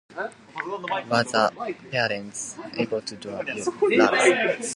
Was the phlebotomist able to draw your labs?